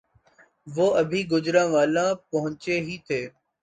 وہ ابھی گوجرانوالہ پہنچے ہی تھے